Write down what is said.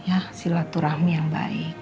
ya silaturahmi yang baik